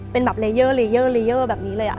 เป็นแบบเลเยอร์แบบนี้เลยอะ